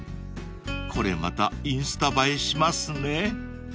［これまたインスタ映えしますね］